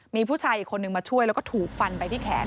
มีผู้ชายอีกคนนึงมาช่วยแล้วก็ถูกฟันไปที่แขน